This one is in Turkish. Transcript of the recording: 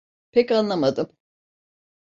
Pek anlamadım.